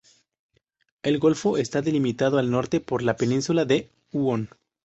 El golfo está delimitado al norte por la península de Huon.